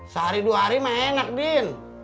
sehari dua hari mah enak din